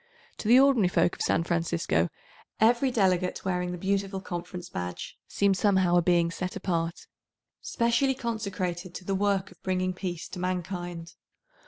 To the ordinary folk of San Francisco, every delegate wearing the beautiful Conference badge, seemed somehow a being set apart, specially consecrated to the work of bringing peace to mankind.